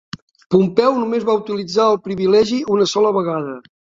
Pompeu només va utilitzar el privilegi una sola vegada.